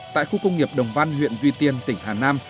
tại khu công nghiệp đồng văn huyện duy tiên tỉnh hà nam